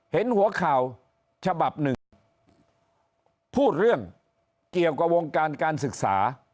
เห็นหัวข่าวฉบับหนึ่งพูดเรื่องเกี่ยวกับวงการการศึกษา